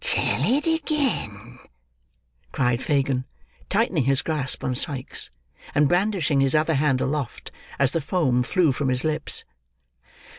Tell it again!" cried Fagin, tightening his grasp on Sikes, and brandishing his other hand aloft, as the foam flew from his lips.